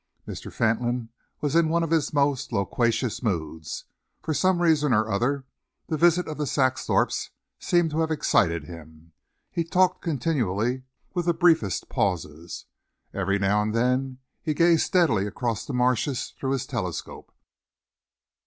Mr. Fentolin was in one of his most loquacious moods. For some reason or other, the visit of the Saxthorpes seemed to have excited him. He talked continually, with the briefest pauses. Every now and then he gazed steadily across the marshes through his telescope.